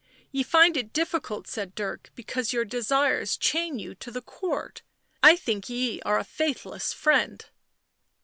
Ye find it difficult," said Dirk, " because your desires chain you to the Court. I think ye are a faithless friend."